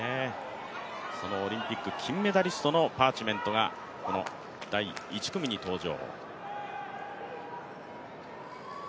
そのオリンピック、金メダリストのパーチメントがこの第１組に登場。